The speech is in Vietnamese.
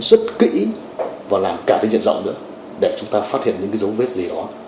rất kỹ và làm cả cái diện rộng nữa để chúng ta phát hiện những dấu vết gì đó